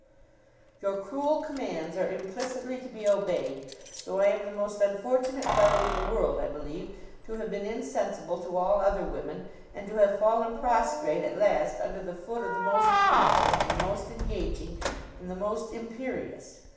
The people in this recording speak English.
'Your cruel commands are implicitly to be obeyed; though I am the most unfortunate fellow in the world, I believe, to have been insensible to all other women, and to have fallen prostrate at last under the foot of the most beautiful, and the most engaging, and the most imperious.